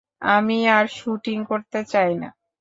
আমি আর শ্যুটিং করতে চাই না।